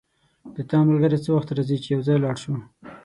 د تا ملګری څه وخت راځي چی یو ځای لاړ شو